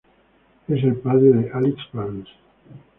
Él es el padre de Alyx Vance.